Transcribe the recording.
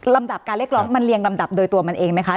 ดับการเรียกร้องมันเรียงลำดับโดยตัวมันเองไหมคะ